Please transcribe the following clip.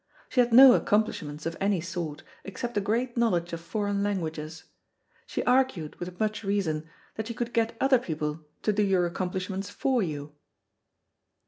She had no accomplishments of any sort, except a great knowledge of foreign languages. She argued, with much reason, that you could get other people to do your accomplishments for you.